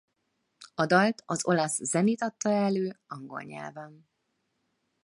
A dalt az olasz Senit adta elő angol nyelven.